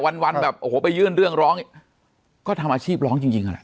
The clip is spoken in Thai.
วันวันแบบโอ้โหไปยื่นเรื่องร้องก็ทำอาชีพร้องจริงนั่นแหละ